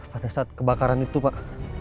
pada saat kebakaran itu pak